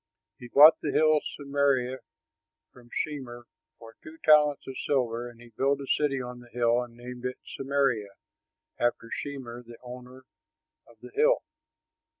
He bought the hill Samaria from Shemer for two talents of silver; and he built a city on the hill and named it Samaria, after Shemer, the owner of the hill.